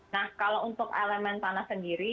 nah kalau untuk elemen tanah sendiri